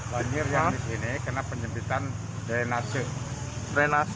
banjir yang disini kena penyempitan dari nasi